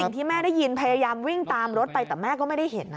ที่แม่ได้ยินพยายามวิ่งตามรถไปแต่แม่ก็ไม่ได้เห็น